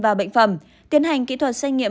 và bệnh phẩm tiến hành kỹ thuật xét nghiệm